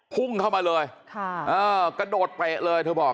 พุ่งเข้ามาเลยค่ะเออกระโดดเป๊ะเลยเธอบอก